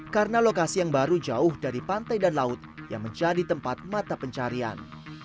karena lokasi yang baru jauh dari pantai dan laut yang menjadi tempat mata pencarian